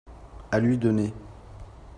à lui donner.